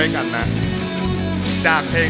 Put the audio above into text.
แค่พร้อม